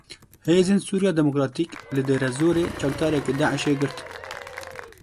Hêzên Sûriya Demokratîk li Dêrezorê çekdarekî Daişê girt.